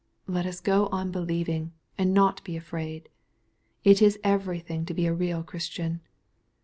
Let us go on believing, and not be afraid. It is everything to be a real Christian.